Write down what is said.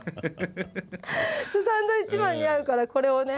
サンドウィッチマンに会うからこれをね